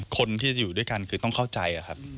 คนที่อยู่ด้วยกันจะต้องเข้าใจ